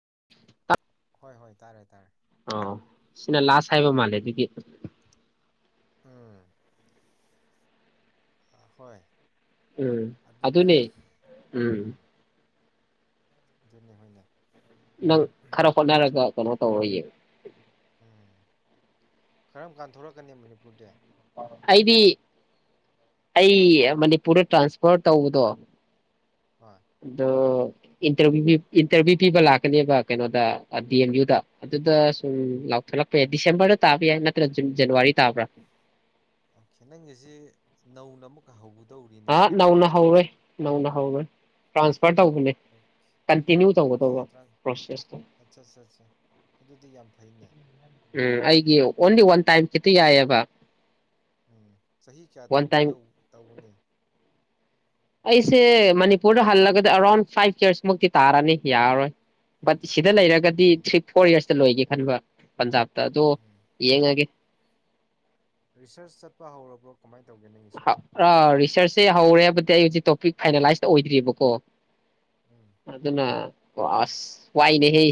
[unintelligible] ꯍꯣꯏ ꯍꯣꯏ ꯇꯥꯔꯦ ꯇꯥꯔꯦ ꯑ ꯁꯤꯅ ꯂꯥꯁ ꯍꯥꯏꯕ ꯃꯥꯜꯂꯦ ꯑꯗꯨꯒꯤ ꯎꯝ ꯑꯥ ꯍꯣꯏ ꯎꯝ ꯑꯗꯨꯗꯤ ꯑꯗꯨꯅꯦ ꯎꯝ ꯑꯗꯨꯅꯦ ꯍꯣꯏꯅꯦ ꯅꯪ ꯈꯔ ꯍꯣꯠꯅꯔꯒ ꯀꯩꯅꯣ ꯇꯧꯔꯣ ꯌꯦꯅꯣ ꯎꯝ ꯀꯔꯝ ꯀꯥꯟꯊꯣꯔꯛꯀꯅꯤ ꯃꯅꯤꯄꯨꯔꯗꯤ ꯑꯩꯗꯤ ꯑꯩ ꯃꯅꯤꯄꯨꯔꯗ ꯇ꯭ꯔꯥꯟꯁꯐꯔ ꯇꯧꯕꯗꯣ ꯍꯣꯏ ꯑꯗꯣ ꯏꯟꯇꯔꯕꯌ꯭ꯨꯒꯤꯞ ꯏꯟꯇꯔꯕꯌ꯭ꯨ ꯄꯤꯕ ꯂꯥꯛꯀꯅꯦꯕ ꯀꯩꯅꯣꯗ ꯗꯤ ꯑꯦꯝ ꯌꯨꯗ ꯑꯗꯨꯗ ꯁꯨꯝ ꯂꯥꯎꯊꯣꯂꯛꯄ ꯌꯥꯏ ꯗꯤꯁꯦꯝꯕꯔꯗ ꯇꯥꯕ ꯌꯥꯏ ꯅꯠꯇ꯭ꯔ ꯖꯟ ꯖꯅꯋꯥꯔꯤ ꯇꯥꯕ꯭ꯔꯥ ꯑꯣ ꯈꯦ ꯅꯪꯒꯤꯁꯤ ꯅꯧꯅ ꯑꯃꯨꯛꯀ ꯍꯧꯕ ꯑ ꯅꯧꯅ ꯍꯧꯔꯦ ꯅꯧꯅ ꯍꯧꯒꯔ꯭ꯦ ꯇ꯭ꯔꯥꯟꯁ ꯑꯣ ꯑꯣꯀꯦ ꯇꯔꯥ ꯄ꯭ꯔꯣꯁꯦꯁꯇꯣ ꯑꯠꯆꯥ ꯑꯠꯆꯥ ꯑꯗꯨꯗꯤ ꯌꯥꯝ ꯐꯩꯅꯦ ꯎꯝ ꯑꯩꯒꯤ ꯑꯣꯟꯂꯤ ꯋꯥꯟ ꯇꯥꯏꯝ ꯈꯤꯇ ꯌꯥꯏꯑꯕ ꯎꯝ ꯆꯍꯤ ꯀꯌꯥ ꯋꯥꯟ ꯇꯥꯏꯝ ꯇꯧꯒꯗꯧ ꯇꯧꯒꯅꯤ ꯑꯩꯁꯦ ꯃꯅꯤꯄꯨꯔꯗ ꯍꯜꯂꯒꯗꯤ ꯑꯔꯥꯎꯟ ꯐꯥꯏꯚ ꯏꯔꯁ ꯃꯨꯛꯇꯤ ꯇꯥꯔꯅꯤ ꯌꯥꯔꯔꯣꯏ ꯕꯠ ꯁꯤꯗ ꯂꯩꯔꯒꯗꯤ ꯎꯝ ꯊ꯭ꯔꯤ ꯐꯣꯔ ꯌꯔꯁꯇ ꯂꯣꯏꯒꯦ ꯈꯟꯕ ꯄꯟꯖꯥꯕꯇ ꯑꯗꯣ ꯎꯝ ꯌꯦꯡꯉꯒꯦ ꯔꯤꯁꯔꯁ ꯆꯠꯄ ꯍꯧꯔꯕ꯭ꯔꯣ ꯀꯃꯥꯏꯅ ꯇꯧꯒꯦ ꯅꯪꯒꯤꯁꯤꯕꯣ ꯔꯤꯁꯔꯁꯦ ꯍꯧꯔꯦ ꯍꯥꯏꯕꯗꯤ ꯑꯩ ꯍꯧꯖꯤꯛ ꯇꯣꯄꯤꯛ ꯐꯥꯏꯅꯦꯂꯥꯏꯁꯇ ꯑꯣꯏꯗ꯭ꯔꯤꯕꯀꯣ ꯑꯗꯨꯅ ꯑꯣ ꯑꯁ ꯋꯥꯏꯅꯦꯍꯦ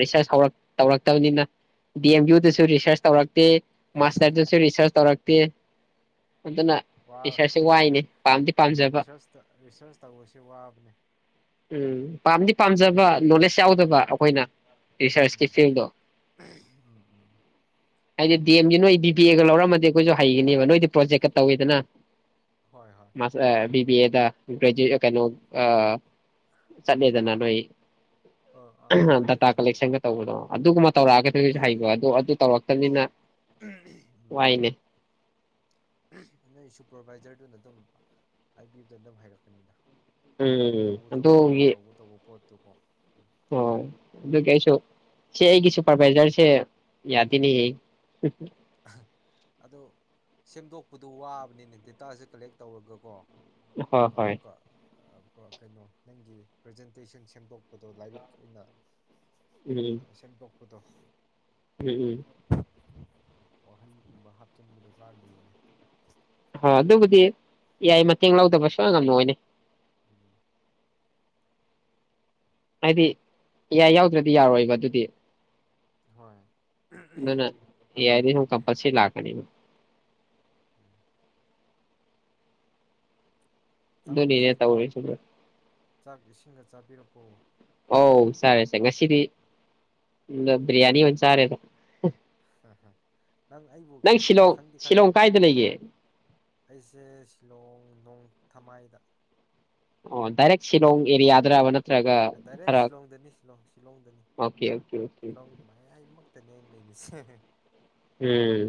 ꯔꯤꯁꯔꯁ ꯍꯧꯔꯛ ꯇꯧꯔꯛꯇꯕꯅꯤꯅ ꯗꯤ ꯑꯦꯝ ꯌꯨꯗꯁꯨ ꯎꯝ ꯔꯤꯁꯔꯁ ꯇꯧꯔꯛꯇꯦ ꯃꯥꯁꯇꯔꯗꯁꯨ ꯔꯤꯁꯔꯁ ꯇꯧꯔꯛꯇꯦ ꯇꯦ ꯑꯗꯨꯅ ꯋꯥ ꯔꯤꯁꯔꯁꯁꯦ ꯋꯥꯏꯅꯦ ꯄꯥꯝꯗꯤ ꯄꯥꯝꯖꯕ ꯔꯤꯁꯔꯁ ꯔꯤꯁꯔꯁ ꯇꯧꯕꯁꯦ ꯋꯥꯕꯅꯦ ꯎꯝ ꯄꯥꯝꯗꯤ ꯄꯥꯝꯖꯕ ꯅꯣꯂꯦꯖ ꯌꯥꯎꯗꯕ ꯍꯣꯏ ꯑꯩꯈꯣꯏꯅ ꯔꯤꯁꯔꯁꯀꯤ ꯎꯝ ꯐꯤꯜꯗꯣ ꯎꯝ ꯍꯥꯏꯗꯤ ꯗꯤ ꯑꯦꯝꯗꯤ ꯅꯣꯏ ꯕꯤ ꯄꯤ ꯑꯦꯒ ꯂꯧꯔꯝꯃꯗꯤ ꯑꯩꯈꯣꯏꯁꯨ ꯍꯩꯒꯅꯦꯕ ꯅꯣꯏꯗꯤ ꯄ꯭ꯔꯣꯖꯦꯛꯀ ꯇꯧꯋꯦꯗꯅ ꯍꯣꯏ ꯍꯣꯏ ꯃꯁ ꯑꯥ ꯕꯤꯞ ꯕꯤ ꯑꯦꯗ ꯒ꯭ꯔꯦꯖꯤ ꯀꯩꯅꯣ ꯑꯥ ꯆꯠꯂꯦꯗꯅ ꯅꯣꯏ ꯑꯥ ꯑꯥ ꯆꯠꯂꯦ ꯗꯇꯥ ꯆꯠꯂꯦ ꯀꯂꯦꯛꯁꯟꯒ ꯇꯧꯕꯗꯣ ꯑꯗꯨ ꯇꯧꯔꯛꯑꯒꯁꯨ ꯍꯩꯕ ꯑꯗꯣ ꯑꯗꯨ ꯑꯣ ꯇꯧꯔꯛꯇꯕꯅꯤꯅ ꯎꯝ ꯋꯥꯏꯅꯦ ꯅꯣꯏ ꯁꯨꯄꯔꯚꯥꯏꯖꯔꯗꯨꯅ ꯑꯗꯨꯝ ꯍꯥꯏꯕꯤꯕꯗ ꯑꯗꯨꯝ ꯍꯥꯏꯔꯛꯀꯅꯤꯗ ꯎꯝ ꯑꯗꯨꯣ ꯌꯦ ꯇꯨꯀꯣ ꯑꯣ ꯑꯗꯨ ꯑꯩꯁꯨ ꯁꯤ ꯎꯝ ꯑꯩꯒꯤ ꯁꯨꯄꯔꯚꯥꯏꯖꯔꯁꯦ ꯎꯝ ꯌꯥꯗꯤꯅꯤꯌꯦ ꯑꯗꯣ ꯁꯦꯝꯗꯣꯛꯄꯗꯨꯣ ꯋꯥꯕꯅꯤꯅꯦ ꯗꯦꯇꯥꯁꯦ ꯀꯂꯦꯛ ꯇꯧꯔꯒꯀꯣ ꯅꯪ ꯍꯣꯏ ꯍꯣꯏ ꯑꯃꯀꯥ ꯀꯩꯅꯣ ꯅꯪꯒꯤ ꯄ꯭ꯔꯖꯦꯟꯇꯦꯁꯟ ꯁꯦꯝꯗꯣꯛꯄꯗꯣ ꯂꯥꯏꯔꯤꯛ ꯑꯣꯏꯅ ꯎꯝ ꯀꯨꯗꯣꯡ ꯎꯝ ꯎꯝ ꯋꯥꯍꯟꯒꯨꯝꯕ ꯍꯥꯞꯆꯤꯟꯕꯗꯣ ꯈꯔ ꯂꯨꯏꯅꯦ ꯍ ꯑꯗꯨꯕꯨꯗꯤ ꯌꯥꯏ ꯃꯇꯦꯡ ꯂꯧꯗꯕꯁꯨ ꯑꯉꯝꯅꯅꯦ ꯎꯝ ꯍꯥꯏꯗꯤ ꯏꯏ ꯌꯥꯎꯗ꯭ꯔꯗꯤ ꯌꯥꯔꯣꯏꯕ ꯑꯗꯨꯗꯤ ꯍꯣꯏ ꯅꯅ ꯌꯥꯗꯤ ꯍꯨ ꯀ ꯄꯁꯤ ꯂꯥꯛꯀꯅꯤ ꯆꯥꯛꯁꯤ ꯑꯗꯨꯅꯤꯅꯦ ꯇꯧꯔꯤꯁꯤ ꯕ꯭ꯔꯣ ꯆꯥꯛ ꯏꯁꯤꯡꯒ ꯆꯥꯕꯤꯔ ꯎꯝ ꯑꯧ ꯆꯥꯔꯦ ꯁꯦ ꯉꯁꯤꯗꯤ ꯕ꯭ꯔꯤꯌꯥꯅꯤ ꯑꯣꯏꯅ ꯆꯥꯔꯦꯗ ꯅꯪ ꯑꯩꯕꯨ ꯅꯪ ꯁꯤꯂꯣꯡ ꯈꯪꯗꯤ ꯈꯪꯉꯤ ꯁꯤꯂꯣꯡ ꯀꯥꯏꯗ ꯂꯩꯒꯦ ꯑꯩꯁꯦ ꯁꯤꯂꯣꯡ ꯅꯣꯡ ꯊꯃꯥꯏꯗ ꯑꯣ ꯗꯥꯢꯔꯦꯛ ꯁꯤꯂꯣꯡ ꯑꯦꯔꯤꯌꯥꯗ꯭ꯔꯕ ꯅꯠꯇ꯭ꯔꯒ ꯗꯥꯏꯔꯦꯛ ꯈꯔ ꯁꯤꯂꯣꯡꯗꯅꯤ ꯁꯤꯂꯣꯡ ꯁꯤꯂꯣꯡꯗꯅꯤ ꯑꯣꯀꯦ ꯑꯣꯀꯦ ꯅꯦ ꯂꯩꯁꯦ ꯍ ꯍ ꯎꯝ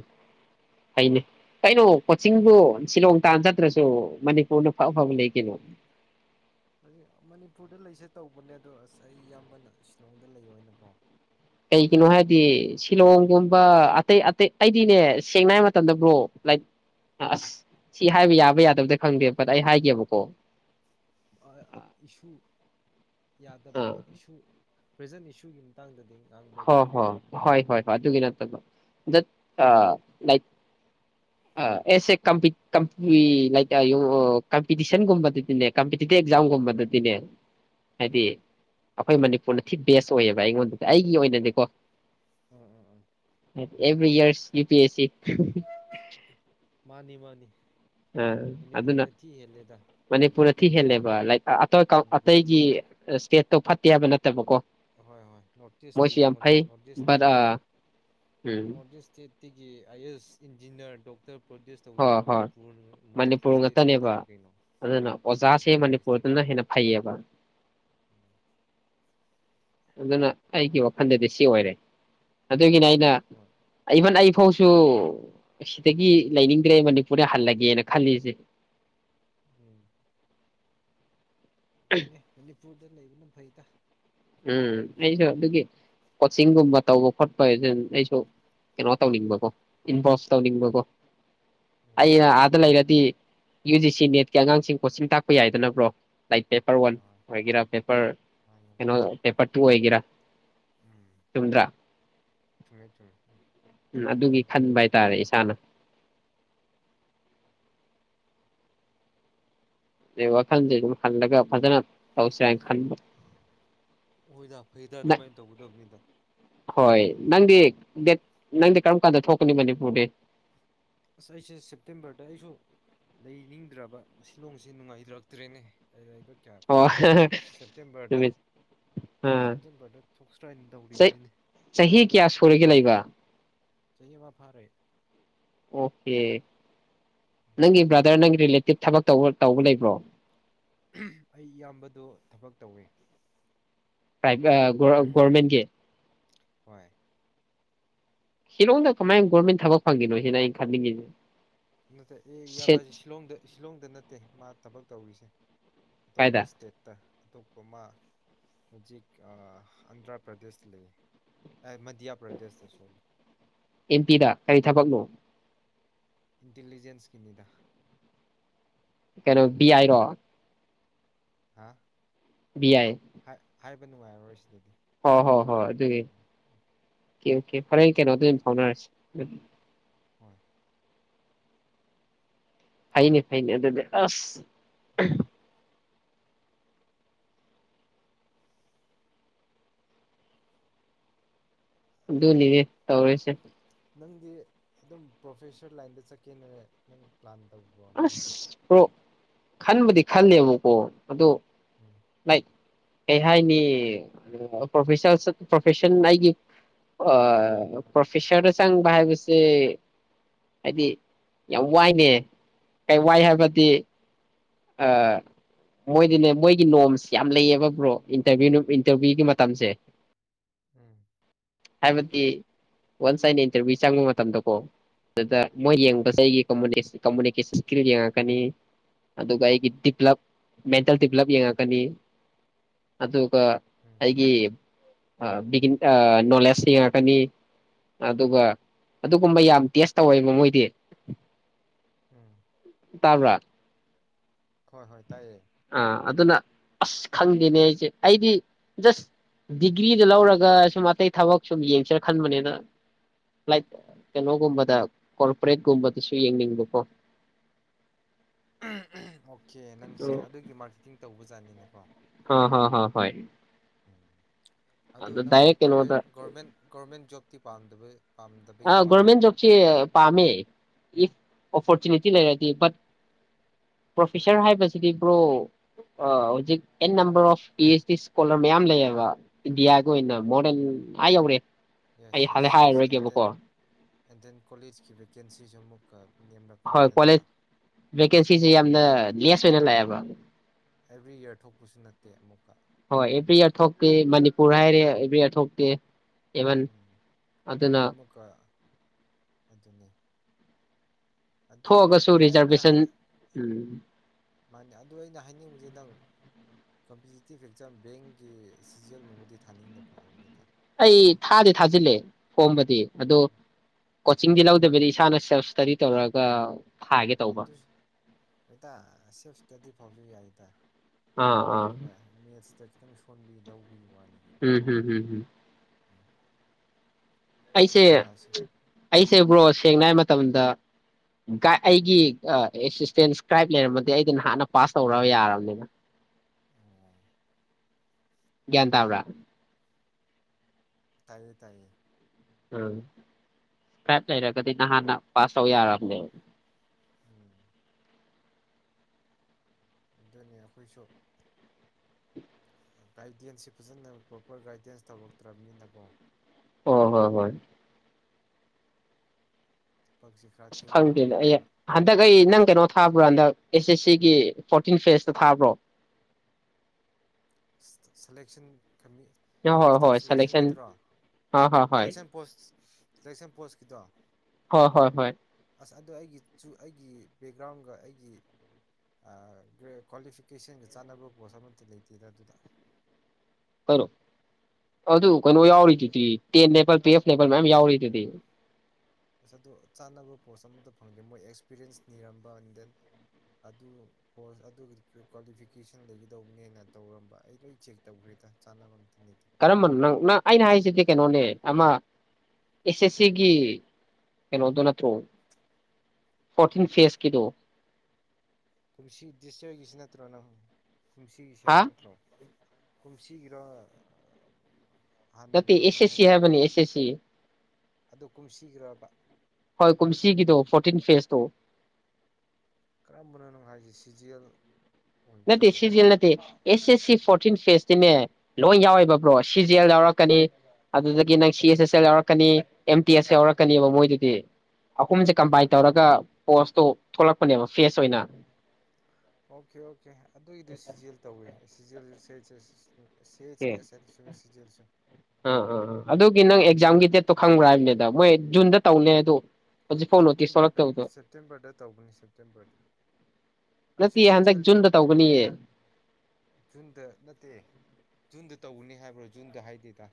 ꯐꯩꯅꯤ ꯀꯩꯅꯣ ꯀꯣꯆꯤꯡꯗꯨ ꯁꯤꯂꯣꯡ ꯇꯥꯟꯅ ꯆꯠꯇ꯭ꯔꯁꯨ ꯃꯅꯤꯄꯨꯔꯅ ꯐ ꯑꯐꯕ ꯂꯩ ꯀꯩꯅꯣ ꯃꯅꯤꯄꯨꯔꯗ ꯂꯩꯁꯦ ꯇꯧꯕꯅꯦ ꯑꯗꯣ ꯑꯁ ꯑꯩ ꯏꯌꯥꯝꯕꯅ ꯁꯤꯂꯣꯡꯗ ꯂꯩꯑꯣꯅꯀꯣ ꯀꯩꯒꯤꯅꯣ ꯍꯥꯏꯕꯗꯤ ꯁꯤꯂꯣꯡꯒꯨꯝꯕ ꯑꯇꯩ ꯑꯇꯩ ꯑꯩꯗꯤꯅꯦ ꯁꯦꯡꯅ ꯍꯥꯏ ꯃꯇꯝꯗ ꯕ꯭ꯔꯣ ꯂꯥꯏꯛ ꯑꯁ ꯁꯤ ꯍꯥꯏꯕ ꯌꯥꯕ ꯌꯥꯗꯕꯗꯤ ꯈꯪꯗꯦꯕ ꯕꯠꯑꯩ ꯍꯥꯏꯒꯦꯕꯀꯣ ꯏꯁꯨ ꯌꯥꯗꯕ ꯑꯥ ꯏꯁꯨ ꯄ꯭ꯔꯖꯦꯟ ꯏꯁꯨꯒꯤ ꯃꯇꯥꯡꯗꯗꯤ ꯉꯥꯡꯕ ꯍꯣ ꯌꯥꯗꯕꯅꯤ ꯍꯣꯏ ꯍꯣꯏ ꯍꯣꯏ ꯍꯣꯏ ꯑꯗꯨꯒꯤ ꯅꯠꯇꯕ ꯗꯠ ꯑ ꯂꯥꯏꯛ ꯑ ꯑꯦꯁ ꯂꯛ ꯀꯝꯄꯤꯇꯤꯁꯟꯒꯨꯝꯕꯗꯗꯤꯅꯦ ꯀꯝꯄꯤꯇꯤꯇꯤꯚ ꯑꯦꯛꯖꯥꯝꯒꯨꯝꯕꯗꯗꯤꯅꯦ ꯍꯥꯏꯗꯤ ꯍꯣꯏ ꯑꯩꯈꯣꯏ ꯃꯅꯤꯄꯨꯔꯅ ꯊꯤ ꯕꯦꯁ ꯑꯣꯏꯌꯦꯕ ꯑꯩꯉꯣꯟ ꯑꯩ ꯑꯣꯏꯅꯗꯤꯀꯣ ꯎꯝ ꯎꯝ ꯎꯝ ꯑꯦꯕ꯭ꯔꯤ ꯌꯥꯔ ꯌꯨ ꯄꯤ ꯑꯦꯁ ꯁꯤ ꯃꯥꯅꯤ ꯃꯥꯅꯤ ꯑꯥ ꯑꯗꯨꯅ ꯃꯅꯤꯄꯨꯔꯅ ꯊꯤ ꯍꯦꯜꯂꯦꯗ ꯎꯝ ꯃꯅꯤꯄꯨꯔꯗ ꯊꯤ ꯍꯦꯜꯂꯦꯕ ꯂꯥꯏꯛ ꯃꯅꯤꯄꯨꯔꯅ ꯊꯤ ꯑꯇꯩꯒꯤ ꯍꯦꯜꯂꯦ ꯏꯁꯇꯦꯠꯇꯣ ꯐꯠꯇꯦ ꯍꯥꯏꯕ ꯅꯠ ꯇꯠꯇ ꯄꯀꯣ ꯍꯣꯏ ꯍꯣꯏ ꯅꯣꯔꯠ ꯏꯁꯇ ꯌꯦꯡꯉꯨꯅꯦ north east but ah um north east ꯑꯤꯒꯤ I S engineer doctor produce ꯇꯧꯔꯤꯁꯦ ꯍꯣꯏ ꯍꯣꯏ ꯃꯅꯤꯄꯨꯔ ꯃꯅꯤꯄꯨꯔ ꯏꯁꯇꯦꯠ ꯉꯥꯛꯇꯅꯤ ꯀꯩꯅꯣ ꯑꯗꯨꯅ ꯑꯇꯣꯞꯄ ꯑꯣꯖꯥꯁꯦ ꯀꯔꯤ ꯏꯁꯇꯦꯠ ꯃꯅꯤꯄꯨꯔꯗꯅ ꯍꯦꯟꯅ ꯐꯩꯌꯦꯕ ꯑꯗꯨꯅ ꯑꯩꯒꯤ ꯋꯥꯈꯜꯗꯗꯤ ꯁꯤ ꯑꯣꯏꯔꯦ ꯑꯗꯨꯒꯤꯅꯤ ꯍꯣꯏ ꯏꯚꯟ ꯑꯩ ꯁꯣꯁꯨ ꯁꯤꯗꯒꯤ ꯂꯩꯅꯤꯡꯗ꯭ꯔꯦ ꯃꯅꯤꯄꯨꯔꯗ ꯍꯜꯂꯒꯦꯅ ꯈꯜꯂꯤꯁꯦ ꯎꯝ ꯑꯗꯨꯅꯦ ꯃꯅꯤꯄꯨꯔꯗ ꯂꯩꯕꯅ ꯐꯩꯇ ꯎꯝ ꯑꯩꯁꯨ ꯑꯗꯨꯒꯤ ꯀꯣꯆꯤꯡꯒꯨꯝꯕ ꯇꯧꯕ ꯈꯣꯠꯄꯅ ꯑꯩꯁꯨ ꯀꯩꯅꯣ ꯇꯧꯅꯤꯡꯕꯀꯣ ꯏꯟꯚꯣꯁ ꯑꯣ ꯇꯧꯅꯤꯡꯕꯀꯣ ꯎꯝ ꯑꯩꯅ ꯑꯥꯗ ꯂꯩꯔꯗꯤ ꯌꯨ ꯖꯤ ꯁꯤ ꯅꯦꯠꯀꯤ ꯑꯉꯥꯡꯁꯤꯡ ꯀꯣꯆꯤꯡ ꯇꯥꯛꯄ ꯌꯥꯏꯗꯅ ꯕ꯭ꯔꯣ ꯂꯥꯏꯛ ꯄꯦꯄꯔ ꯋꯥꯟ ꯍꯣꯏ ꯍꯣꯏ ꯑꯣꯏꯒꯦꯔꯥ ꯄꯦꯄꯔ ꯃꯥꯅꯤ ꯃꯥꯅꯤ ꯄꯦꯄ꯭ꯔ ꯇꯨ ꯑꯣꯏꯒꯦꯔꯥ ꯎꯝ ꯆꯨꯝꯗ꯭ꯔꯥ ꯆꯨꯝꯃꯦ ꯆꯨꯝꯃꯦ ꯎꯝ ꯑꯗꯨꯒꯤ ꯈꯟꯕ ꯍꯥꯏꯇꯥꯔꯦ ꯏꯁꯥꯅ ꯋꯥ ꯈꯜꯖꯦ ꯑꯗꯨꯝ ꯍꯜꯂꯥꯒ ꯐꯖꯅ ꯇꯧꯁꯤꯔ ꯈꯟꯕ ꯍꯣꯏꯗ ꯐꯩꯗ ꯅꯪ ꯑꯗꯨꯃꯥꯏꯅ ꯇꯧꯒꯗꯕꯅꯤꯗ ꯗ ꯅꯪꯗꯤ ꯀꯔꯝ ꯀꯥꯟꯗ ꯊꯣꯛꯀꯅꯤ ꯃꯅꯤꯄꯨꯔꯗꯤ ꯑꯁ ꯑꯩꯁꯦ ꯁꯦꯞꯇꯦꯝꯕꯔꯗ ꯑꯩꯁꯨ ꯂꯩꯅꯤꯡꯗ꯭ꯔꯕ ꯁꯤꯂꯣꯡꯁꯦ ꯅꯨꯡꯉꯥꯏꯖꯔꯛꯇ꯭ꯔꯦꯅꯦ ꯂꯩꯕ ꯀꯌꯥ ꯀꯣ ꯑꯣ ꯑꯗꯨꯒꯤ ꯁꯦꯞꯇꯦꯝꯕꯔꯗ ꯅꯨꯃꯤꯠ ꯑꯥ ꯁꯦꯞꯇꯦꯝꯕꯔꯗ ꯊꯣꯛꯁ꯭ꯔꯅ ꯆꯩ ꯇꯧꯔꯤꯕꯅꯤꯅꯦ ꯆꯍꯤ ꯀꯌꯥ ꯁꯨꯔꯒꯦ ꯂꯩꯕ ꯆꯌꯦ ꯋꯥꯄꯥꯔꯦ ꯑꯣꯀꯦ ꯅꯪꯒꯤ ꯕ꯭ꯔꯥꯗꯔ ꯅꯪꯒꯤ ꯔꯤꯂꯦꯇꯤꯞ ꯊꯕꯛ ꯇ ꯇꯧꯕ ꯂꯩꯕ꯭ꯔꯣ ꯑꯩ ꯏꯌꯥꯝꯕꯗ ꯊꯕꯛ ꯇꯧꯋꯤ ꯥꯏꯚ ꯣꯔꯃꯦꯟ ꯀ ꯍꯣꯏ ꯁꯤꯂꯣꯡꯗ ꯀꯃꯥꯏꯅ ꯒꯣꯔꯃꯦꯟ ꯊꯕꯛ ꯐꯪꯈꯤꯅꯣ ꯁꯤꯅ ꯑꯩꯅ ꯈꯟꯅꯤꯡꯉꯤꯁꯦ ꯅꯠꯇ ꯑꯦ ꯁꯦꯠ ꯏꯌꯥꯝꯕꯁꯦ ꯁꯤꯂꯣꯡꯗ ꯁꯤꯂꯣꯡꯗ ꯅꯠꯇꯦ ꯃꯥ ꯊꯕꯛ ꯇꯧꯔꯤꯁꯦ ꯑꯇꯣꯞꯄ ꯀꯥꯏꯗ ꯏꯁꯇꯦꯠꯇ ꯑꯇꯣꯞꯄ ꯑꯃ ꯍꯧꯖꯤꯛ ꯑꯟꯗ꯭ꯔꯥ ꯄ꯭ꯔꯗꯦꯁ ꯂꯩ ꯃꯙ꯭ꯌꯥ ꯄ꯭ꯔꯗꯦꯁꯇ ꯁꯣꯔꯤ ꯑꯦꯝ ꯄꯤꯗ ꯀꯔꯤ ꯊꯕꯛꯅꯣ ꯏꯟꯇꯂꯤꯖꯦꯟꯁꯀꯤꯅꯤꯗ ꯀꯩꯅꯣ ꯑꯥꯏꯔꯣ ꯍꯥꯥ ꯕꯤ ꯑꯏ ꯍꯥꯏꯕ ꯅꯨꯡꯉꯥꯏꯔꯔꯣꯏ ꯁꯤꯗꯗꯤ ꯍ ꯍꯣꯏ ꯍꯣꯏ ꯑꯗꯨꯒꯤꯀꯦ ꯐꯔꯦꯟ ꯀꯩꯅꯩꯅꯣ ꯑꯗꯨ ꯐꯥꯎꯅꯔꯁꯤ ꯍꯣꯏ ꯐꯩꯅꯤ ꯐꯩꯅꯤ ꯑꯗꯨꯗꯤ ꯑꯁ ꯎꯝ ꯑꯗꯨꯅꯤꯅꯦ ꯇꯧꯔꯁꯦ ꯅꯪꯗꯤ ꯑꯗꯨꯝ ꯄ꯭ꯔꯣꯐꯦꯁꯔ ꯂꯥꯏꯟꯗ ꯆꯠꯀꯦꯅꯅꯦ ꯅꯪ ꯄ꯭ꯂꯥꯟ ꯇꯧꯕ꯭ꯔꯣ ꯅꯪꯒꯤꯁꯦ ꯑꯁ ꯄꯣ ꯈꯟꯕꯗꯤ ꯈꯂꯦꯕꯀꯣ ꯑꯗꯨꯗꯣ ꯎꯝ ꯂꯩ ꯀꯩ ꯍꯥꯏꯅꯤ ꯄꯣ ꯄ꯭ꯔꯣꯐꯦꯁꯟ ꯑꯩꯒꯤ ꯄ꯭ꯔꯣꯐꯦꯁꯔꯗ ꯆꯪꯕ ꯍꯥꯏꯕꯁꯦ ꯍꯥꯏꯗꯤ ꯌꯥꯝ ꯋꯥꯏꯅꯦ ꯀꯩ ꯋꯥꯏ ꯍꯥꯏꯕꯗꯤ ꯃꯣꯏꯗꯤꯅꯦ ꯃꯣꯏꯒꯤ ꯅꯣꯝꯁ ꯌꯥꯝ ꯂꯩꯌꯦꯕ ꯕ꯭ꯔꯣ ꯏꯟꯇꯚꯨ ꯏꯟꯇꯔꯚꯤꯌꯨꯒꯤ ꯃꯇꯝꯁꯦ ꯎꯝ ꯍꯥꯏꯕꯗꯤ ꯋꯥꯟꯁ ꯑꯩꯅ ꯏꯟꯇꯔꯚꯤꯌꯨ ꯆꯪꯕ ꯃꯇꯝꯗꯀꯣ ꯑꯗꯨꯗ ꯃꯣꯏ ꯌꯦꯡ ꯁꯃ ꯍꯣꯏ ꯀꯃꯨꯅꯤꯀꯦꯁꯟ ꯀꯉ ꯀꯅꯤ ꯑꯗꯨꯒ ꯑꯩꯒꯤ ꯗꯤꯞꯂꯞ ꯃꯦꯟꯇꯦꯜ ꯎꯝ ꯗꯤꯕꯂꯞ ꯌꯦꯡꯉꯛꯀꯅꯤ ꯑꯗꯨ ꯎꯝ ꯑꯩꯒꯤ ꯕꯤ ꯅꯣꯂꯦꯖ ꯌꯦꯡꯉꯛꯀꯅꯤ ꯑꯗꯨꯒ ꯎꯝ ꯑꯗꯨꯒꯨꯝꯕ ꯌꯥꯝ ꯇꯦꯁ ꯇꯧꯋꯦ ꯃꯃꯣꯏꯗꯤ ꯎꯝ ꯇꯕꯔꯥ? ꯍꯣꯏ - ꯍꯣꯏ ꯇꯥꯏꯌꯦ꯫ ꯑꯥ ꯑꯗꯨꯅ ꯑꯁ ꯈꯪꯗꯦꯅꯦ ꯑꯩꯁꯦ ꯑꯩꯗꯤ ꯖꯁ ꯗꯤꯒ꯭ꯔꯤꯗ ꯂꯧꯔꯒ ꯁꯨꯝ ꯑꯇꯩ ꯊꯕꯛ ꯁꯨꯝ ꯌꯦꯡꯁꯔ ꯈꯟꯕꯅꯤꯅ ꯂꯥꯏꯛ ꯀꯩꯅꯣꯒꯨꯝꯕꯗ ꯀꯣꯔꯄꯣꯔꯦꯠꯀꯨꯝꯕꯗꯁꯨ ꯌꯦꯡꯅꯤꯡꯕꯀꯣ ꯎꯝ ꯎꯝ꯫ ꯑꯣ ꯀꯦ ꯅꯪꯁꯦ ꯑꯗꯨꯒꯤ ꯃꯥꯔꯀꯦꯇꯤꯡ ꯇꯧꯕ ꯖꯅꯤꯅꯦꯀꯣ ꯑ ꯍ ꯍ ꯍꯣꯏ꯫ ꯎꯝ ꯑꯗꯨ ꯅꯪꯗꯤ ꯗꯥꯏꯔꯦꯛ ꯄ꯭ꯔꯥꯏꯚꯦꯠ ꯀꯩꯅꯣꯗ ꯒꯃꯦꯟ ꯒꯣꯔꯃꯦꯟ ꯖꯣꯕ [unintelligible] ꯑ ꯒꯣꯔꯃꯦꯟ ꯖꯣꯕꯁꯤ ꯄꯥꯝꯃꯦ ꯏꯐ ꯎꯝ ꯑꯣꯄꯣꯔꯆꯨꯅꯤꯇꯤ ꯂꯩꯔꯗꯤ ꯕꯠ ꯄ꯭ꯔꯣꯐꯦꯁꯔ ꯍꯥꯏꯕꯁꯤꯗꯤ ꯕ꯭ꯔꯣ ꯍꯧꯖꯤꯛ and number of P H D scholar ꯃꯌꯥꯝ ꯂꯩꯌꯦꯕ ꯏꯟꯗꯤꯌꯥꯒꯤ ꯑꯣꯏꯅ ꯃꯣꯗꯦꯜ ꯎꯝ ꯑ ꯌꯧꯔꯦ ꯑꯩ ꯌꯦꯁ ꯌꯦꯁ ꯌꯦꯁ ꯑꯦꯟ ꯍꯥꯏꯔꯔꯣꯏꯒꯦꯕ ꯑꯦꯟ ꯗꯦꯟ ꯀꯣꯂꯦꯖꯀꯤ ꯚꯦꯀꯦꯟꯁꯤꯁꯨ ꯑꯃꯨꯛ [unintelligible] ꯍꯣꯏ ꯀꯣꯂꯦꯖ ꯚꯦꯀꯦꯟꯁꯤꯁꯦ ꯑꯦꯕ꯭ꯔꯤ ꯌꯥꯝꯅ ꯌꯔ ꯂꯦꯁ ꯑꯣꯏꯅ ꯂꯥꯛꯑꯦꯕ ꯑꯦꯕ꯭ꯔꯤ ꯏꯔ ꯊꯣꯛꯄꯁꯨ ꯅꯠꯇꯦ ꯑꯃꯨꯛꯀ ꯍꯣꯏ ꯑꯦꯚ꯭ꯔꯤ ꯏꯌꯥꯔ ꯊꯣꯛꯇꯦ ꯃꯅꯤꯄꯨꯔ ꯍꯥꯏꯔꯦ ꯑꯦꯚ꯭ꯔꯤ ꯏꯌꯥꯔ ꯊꯣꯛꯇꯦ ꯏꯕꯟ ꯎꯝ ꯑꯗꯨꯅ ꯑꯃꯨꯛꯀ ꯑꯗꯨꯅꯤ ꯑꯗꯨ ꯊꯣꯛꯑꯒꯁꯨ ꯑꯗꯨ ꯑꯩꯅ ꯔꯤꯖꯔꯚꯦꯁꯟ ꯎꯝ ꯃꯥꯅꯦ ꯑꯗꯨ ꯑꯩꯅ ꯍꯥꯏꯅꯤꯡꯕꯁꯦ ꯈꯤꯇꯥꯪ ꯀꯝꯄꯤꯇꯤꯇꯤꯞ ꯑꯦꯛꯖꯥꯝ ꯕꯦꯡꯒꯤ ꯁꯤꯖꯦꯜꯒꯨꯝꯕꯗꯤ ꯊꯥꯅꯤꯡꯗꯕꯔꯣ ꯍꯥꯏꯝꯅꯤꯗ ꯫ ꯑꯩ ꯊꯥꯗꯤ- ꯊꯥꯖꯤꯜꯂꯦ ꯐꯣꯝꯕꯗꯤ ꯑꯗꯨꯗꯣ ꯀꯣꯆꯤꯡꯗꯤ ꯂꯧꯗꯕꯤꯗꯤ ꯏꯁꯥꯅ ꯁꯦꯜꯞ ꯏꯁꯇꯗꯤ ꯇꯧꯔꯒ ꯊꯥꯒꯦ ꯇꯧꯕ ꯑꯗꯨ ꯍꯇꯥ ꯁꯦꯜꯄ ꯏꯁꯇꯗꯤ ꯐ ꯌꯥꯏꯗ ꯑꯥ ꯑꯥ ꯑꯈꯣꯏꯅ ꯃꯦꯠꯁꯇꯥ ꯈꯤꯇꯪ ꯁꯣꯟꯕꯤ ꯂꯧꯕꯤꯨ ꯋꯥꯅꯤ ꯀꯩꯅꯣ ꯎꯝ ꯍꯝ ꯎꯝ꯫ ꯎꯝ ꯑꯩꯁꯦ ꯑꯪꯀꯥꯁꯦ ꯎꯝ ꯑꯩꯁꯦ ꯕ꯭ꯔꯣ ꯁꯦꯡꯅ ꯍꯥꯏ ꯃꯇꯝꯗ ꯑꯩꯒꯤ ꯑꯦꯁꯤꯁꯇꯦꯟꯁ ꯀ꯭ꯔꯥꯏꯞ ꯂꯩꯔꯝꯃꯗꯤ ꯑꯩꯗꯤ ꯅꯍꯥꯟꯅ ꯄꯥꯁ ꯇꯧ ꯌꯥꯔꯕꯅꯤꯗ꯫ ꯑꯣ ꯒꯌ꯭ꯥꯟ ꯇꯕꯔꯥ? ꯇꯥꯏꯌꯦ ꯇꯥꯏꯌꯦ ꯎꯝ ꯐꯥꯏꯞ ꯂꯩꯔꯒꯗꯤ ꯅꯍꯥꯟꯅ ꯄꯥꯁ ꯇꯧ ꯌꯥꯔꯑꯝꯅꯦ ꯎꯝ ꯑꯗꯨꯅꯤ ꯑꯩꯈꯣꯏꯁꯨ ꯒꯥꯏꯗꯦꯟꯁꯁꯤꯦ ꯐꯖꯅ ꯄ꯭ꯔꯣꯄꯔ ꯒꯥꯏꯗꯦꯟꯁ ꯇꯧꯔꯛꯇ꯭ꯔꯕꯅꯤꯅꯀꯣ ꯑꯣ ꯍꯣ ꯍꯣꯏ ꯊꯕꯛꯁꯦ ꯈꯔ ꯊꯦꯡꯅ ꯍꯪꯅ ꯍꯧꯕꯅꯤꯅ ꯍꯒ ꯑꯩ ꯅꯪ ꯀꯩꯅꯣ ꯊꯥꯕ꯭ꯔꯥ ꯍꯟꯗꯛ ꯑꯦꯁ ꯑꯦꯁ ꯁꯤꯒꯤ ꯐꯣꯔꯇꯤꯟ ꯐꯦꯖꯇ ꯊꯥꯕ꯭ꯔꯣ ꯁꯂꯦꯛꯦꯛꯁꯟ ꯍꯣꯏ ꯍꯣꯏ ꯏꯁꯇꯥꯞ ꯁꯦꯂꯦꯛꯁꯟ ꯁꯦꯂꯦꯛꯁꯟꯒꯤꯗꯨꯔꯣ ꯍꯣꯏ ꯍꯣꯏ ꯍꯣꯏ ꯁꯦꯂꯦꯛꯁꯟ ꯄꯣꯁ ꯁꯂꯦꯛꯁꯟ ꯄꯣꯁ ꯈꯤꯗ ꯍꯣꯏ ꯍꯣꯏ ꯍꯣꯏ ꯑꯁ ꯑꯗꯣ ꯑꯩꯒꯤꯁꯨ ꯑꯩꯒꯤ ꯕꯦꯛꯒ꯭ꯔꯥꯎꯟꯒ ꯑꯩꯒꯤ ꯀ꯭ꯋꯥꯂꯤꯐꯤꯀꯦꯁꯟꯒ ꯆꯥꯟꯅꯕ ꯄꯣꯁ ꯑꯃꯠꯇ ꯂꯩꯇꯦ ꯊꯗ ꯑꯗꯨꯗ ꯀꯩꯅꯣ ꯑꯗꯨ ꯀꯩꯅꯣ ꯌꯥꯎꯔꯤꯗꯨꯗꯤ ꯇꯦꯄ ꯇꯋꯦ ꯃꯌꯥꯝ ꯌꯥꯎꯔꯤꯗꯨ ꯑꯁ ꯑꯗꯨꯣ ꯆꯥꯅꯕ ꯄꯣꯁ ꯑꯃꯇ ꯐꯪꯗꯦ ꯃꯣꯏ ꯑꯦꯛꯁꯄꯤꯔꯤꯌꯦꯟꯁ ꯅꯤꯔꯝꯕ ꯑꯦꯟ ꯗꯦꯟ ꯑꯗꯨ ꯄꯣꯁ ꯑꯗꯨꯒꯤ ꯀ꯭ꯋꯥꯂꯤꯐꯤꯀꯦꯁꯟ ꯂꯩꯒꯗꯧꯕꯅꯦꯅ ꯇꯧꯔꯝꯕ ꯑꯩ ꯂꯣꯏ ꯆꯦꯛ ꯇꯧꯈ꯭ꯔꯦꯗ ꯆꯥꯅꯕ ꯂꯩꯇꯦ ꯀꯔꯝꯕꯅꯣ ꯅꯪ ꯅꯪ ꯑꯩꯅ ꯍꯥꯏꯁꯤꯗꯤ ꯀꯩꯅꯣꯅꯦ ꯑꯃ ꯑꯦꯁ ꯑꯦꯁ ꯁꯤꯒꯤ ꯀꯩꯅꯣꯗꯣ ꯅꯠꯇ꯭ꯔꯣ ꯐꯣꯔꯇꯤꯟ ꯐꯦꯁꯀꯤꯗꯣ ꯀꯁꯤꯤ ꯎꯁ ꯀꯁꯤ ꯅꯠꯇ꯭ꯔꯣꯅ ꯀꯨꯝꯁꯤꯒꯤꯁ ꯍꯥ ꯍꯥꯏꯕ ꯅꯠꯇ꯭ꯔꯣ ꯀꯨꯝꯁꯤꯒꯤꯔꯣ ꯅꯇꯩ ꯍꯥꯟꯅꯒꯤꯔꯣ ꯑꯦꯁ ꯑꯦꯁ ꯁꯤ ꯍꯥꯏꯕꯅꯤ ꯑꯦꯁ ꯑꯦ ꯁꯤ ꯑꯗꯨ ꯀꯨꯝꯁꯤꯈ꯭ꯔꯕ ꯍꯣꯏ ꯀꯨꯝꯁꯤꯒꯤꯗꯣ ꯐꯣꯔꯇꯤꯟ ꯐꯦꯁꯇꯣ ꯀꯔꯝꯕꯅꯣꯅꯪ ꯍꯥꯏꯁꯤ ꯁꯤꯖꯤꯦꯜ ꯅ ꯁꯤꯖꯤ ꯅ ꯑꯦꯁ ꯑꯦꯁ ꯐ ꯐꯇꯤꯟ ꯐꯦꯁꯇꯤꯅꯦ ꯂꯣꯏ ꯌꯥꯎꯋꯦꯕ꯭ꯔꯣ ꯁꯤ ꯖꯤ ꯑꯦꯜ ꯌꯥꯎꯔꯛꯀꯅꯤ ꯑꯗꯨꯗꯒꯤ ꯅꯪ ꯁꯤ ꯑꯦꯁ ꯑꯦꯁ ꯑꯦꯜ ꯌꯥꯎꯔꯛꯀꯅꯤ ꯑꯦꯝ ꯇꯤ ꯑꯦꯁ ꯌꯥꯎꯔꯛꯀꯅꯤꯕ ꯃꯣꯏꯗꯨꯗꯤ ꯑꯍꯨꯝꯁꯦ ꯎꯝ ꯀꯝꯕꯥꯏꯟ ꯇꯧꯔꯒ ꯄꯣꯁꯇꯣ ꯊꯣꯛꯂꯛꯄꯅꯦꯕ ꯐꯦꯁ ꯑꯣꯏꯅ ꯑꯣ ꯑꯣꯀꯦ ꯑꯣꯀꯦ ꯑꯗꯨꯒꯤꯗꯨ ꯁꯤꯖꯦꯜ ꯇꯧꯋꯦ ꯁꯤꯖꯦꯜꯗꯨ ꯆꯩꯆꯦꯁꯤꯅꯤ ꯑꯦ ꯁꯤ ꯦꯜꯁ ꯑꯥ ꯑꯥ ꯑ ꯑꯗꯨꯒꯤ ꯅꯪ ꯑꯦꯛꯖꯥꯝꯒꯤ ꯗꯦꯠꯇꯣ ꯈꯪꯕ꯭ꯔꯥ ꯍꯥꯏꯕꯅꯤꯗ ꯃꯣꯏ ꯖꯨꯟꯗ ꯇꯧꯅꯦ ꯑꯗꯣ ꯍꯧꯖꯤꯛꯐꯥꯎ ꯅꯣꯇꯤꯁ ꯁꯦꯞꯇꯦꯝꯕꯔꯗ ꯊꯣꯛꯂꯛꯇꯕꯗꯣ ꯁꯦꯞꯇꯦꯝꯕꯔꯗ ꯇꯧꯕꯅꯤ ꯁꯦꯞꯇꯦꯝꯕꯔꯗ ꯑꯩꯁꯨ ꯅꯠꯇꯦ ꯍꯟꯗꯛ ꯁꯤꯖꯦꯜꯗꯤ ꯐꯣꯏ ꯖꯨꯟꯗ ꯇꯧꯒꯅꯤꯌꯦ ꯖꯨꯟꯗ ꯅꯠꯇꯦꯖꯗ ꯇꯧꯅꯤ ꯍꯥꯏꯕ꯭ꯔꯣ ꯖꯨꯟꯗ ꯍꯥꯏꯗꯦꯗ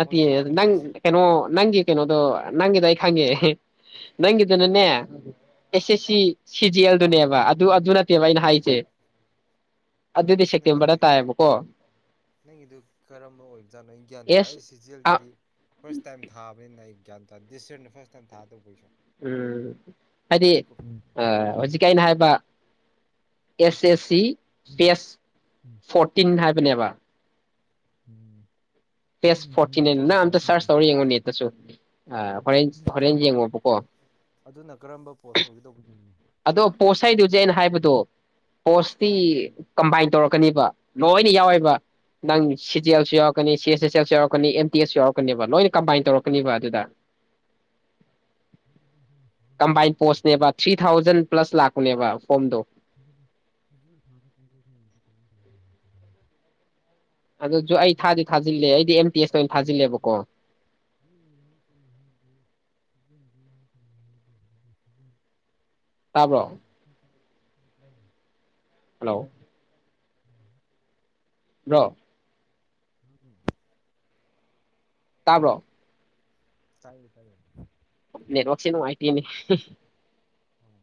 ꯃꯣꯏ ꯐꯣꯔꯝ ꯐꯤꯜ ꯅꯪ ꯑꯞꯁꯤ ꯀꯩꯅꯣ ꯅꯪꯤ ꯀꯩꯅꯣꯣ ꯅꯪꯗ ꯈꯪꯉꯦ ꯅꯪꯒꯤꯗꯨꯅꯅꯦ ꯑꯦꯁꯦ ꯁꯤ ꯎꯝ ꯁꯤꯖꯤ ꯑꯜ ꯑꯗꯨꯅꯦꯕ ꯑꯗꯨ ꯑꯗꯨꯅꯠ ꯀꯩꯕ ꯑꯩꯅ ꯍꯣꯏ ꯍꯥꯏꯁꯦ ꯑꯗꯨꯗꯤ ꯑꯁ ꯅꯪꯒꯤꯗꯨ ꯁꯦꯞꯇꯦꯝꯕꯔꯗ ꯇꯥꯏꯌꯦꯕꯀꯣ ꯅꯪꯒꯤꯗꯨ ꯀꯔꯝꯕ ꯑꯣꯏꯕꯖꯥꯠꯅꯣ ꯑꯩ ꯒ꯭ꯌꯥꯟ ꯇꯥꯏ ꯑꯦꯁ ꯑꯁ ꯁꯤꯖꯤ ꯑꯥ ꯑꯦꯜꯒꯤꯗꯤ ꯐꯥꯔꯁ ꯇꯥꯏꯝ ꯊꯥꯕꯅꯤꯅ ꯑꯩ ꯒ꯭ꯌꯥꯟ ꯇꯥꯗꯦ ꯗꯤꯁ ꯌꯥꯔꯅ ꯐ꯭ꯔꯥꯁ ꯇꯥꯏꯝ ꯊꯥꯗꯧꯕꯣꯏꯁꯨ ꯎꯝ ꯍꯥꯏꯗꯤ ꯑ ꯍꯧꯖꯤꯛ ꯑꯩꯅ ꯍꯥꯏꯕ ꯑꯦꯁ ꯑꯦꯁ ꯁꯤ ꯐꯦꯁ ꯐꯣꯔꯇꯤꯟ ꯍꯥꯏꯔ ꯕꯅꯦꯕ ꯎꯝ ꯎꯝ ꯎꯝ ꯄꯦꯖ ꯑꯗꯨꯅ ꯀꯔꯝꯕ ꯐꯣꯔꯇꯤꯅꯥꯟ ꯀꯣꯜ ꯅꯪ ꯑꯝꯇ ꯁꯔ꯭ꯁ ꯇꯧꯒꯗꯧꯕ ꯇꯧꯔ ꯌꯦꯡꯉꯣ ꯅꯦꯠꯇꯁꯨ ꯍꯣꯔꯦꯟ ꯍꯣꯔꯦꯟ ꯀꯔꯝꯕ ꯌꯦꯡꯉꯣꯕꯀꯣ ꯑꯗꯨꯅ ꯀꯔꯝꯕ ꯄꯣꯁ ꯑꯣꯏꯒꯗꯧꯕꯅꯣ ꯑꯗꯣ ꯄꯣꯠꯁꯗꯨꯁꯦ ꯑꯩꯅ ꯍꯥꯏꯕꯗꯣ ꯄꯣꯁꯇꯤ ꯀꯝꯕꯥꯏꯟ ꯇꯧꯔꯛꯀꯅꯤꯕ ꯂꯣꯏꯅ ꯌꯥꯎꯋꯦꯕ ꯅꯪ ꯁꯤꯖꯦꯜꯁꯨ ꯌꯥꯎꯔꯛꯀꯅꯤ ꯁꯤ ꯁꯦꯜ ꯌꯥꯎꯔꯛꯀꯅꯤ ꯑꯦꯝ ꯇꯤ ꯑꯦꯁꯁꯨ ꯌꯥꯎꯔꯛꯀꯅꯦꯕ ꯂꯣꯏꯅ ꯀꯝꯕꯥꯏꯟ ꯇꯧꯔꯛꯀꯅꯦꯕ ꯑꯗꯨꯗ ꯀꯝꯕꯥꯏꯟ ꯄꯣꯁꯅꯦꯕ ꯊ꯭ꯔꯤ ꯊꯥꯎꯖꯟ ꯄ꯭ꯂꯁ ꯂꯥꯛꯄꯅꯦꯕ ꯐꯣꯝꯗꯣ [unintelligible] ꯑꯗꯨꯁꯨ ꯑꯩ ꯊꯥꯗꯤ ꯊꯥꯖꯤꯜꯂꯦ ꯑꯩꯗꯤ ꯑꯦꯝ ꯇꯤ ꯑꯦꯁꯇ ꯑꯣꯏꯅ ꯊꯥꯖꯤꯜꯂꯦꯕꯀꯣ ꯇꯥꯕ꯭ꯔꯣ [inaudible] ꯍꯜꯂꯣ ꯔꯣ [unintelligible] ꯇꯥꯕ꯭ꯔꯣ ꯇꯥꯏꯦ ꯇꯥꯏ ꯅꯦꯠꯋꯥꯛꯁꯦ ꯅꯨꯉꯥꯏꯇꯦꯅꯦ ꯍꯣꯏ